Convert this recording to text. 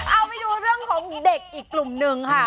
เอาไปดูเรื่องของเด็กอีกกลุ่มหนึ่งค่ะ